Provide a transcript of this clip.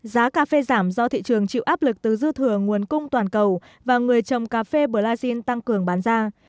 giá cà phê giảm do thị trường chịu áp lực từ dư thừa nguồn cung toàn cầu và người trồng cà phê brazil tăng cường bán ra